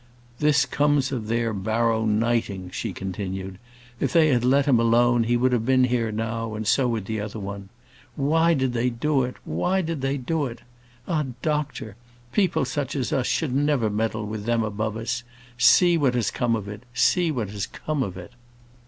"This comes of their barro niting," she continued. "If they had let him alone, he would have been here now, and so would the other one. Why did they do it? why did they do it? Ah, doctor! people such as us should never meddle with them above us. See what has come of it; see what has come of it!"